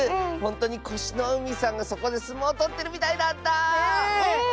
ほんとにこしのうみさんがそこですもうとってるみたいだった！